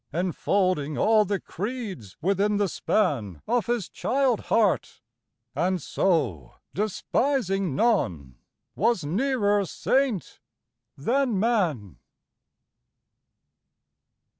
Enfolding all the creeds within the span Of his child heart; and so, despising none, Was nearer saint than man.